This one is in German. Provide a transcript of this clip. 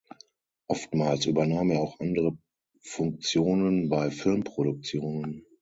Oftmals übernahm er auch andere Funktionen bei Filmproduktionen.